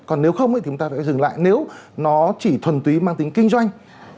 còn nếu không thì chúng ta phải dừng lại nếu nó chỉ thuần túy mang tính kinh doanh